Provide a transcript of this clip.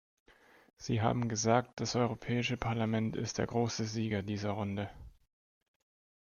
Sie haben gesagt, das Europäische Parlament ist der große Sieger dieser Runde.